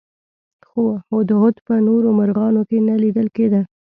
خو هدهد په نورو مرغانو کې نه لیدل کېده.